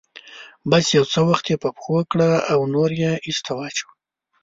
بس يو څه وخت يې په پښو کړه او نور يې ايسته واچوه.